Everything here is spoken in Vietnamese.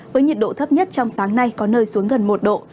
với nhiệt độ thấp nhất trong sáng nay có nơi xuống gần một độ